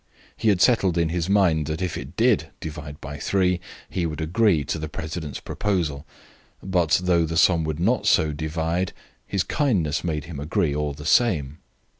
He had settled in his mind that if it did divide by three he would agree to the president's proposal, but though the sum would not so divide his kindness made him agree all the same.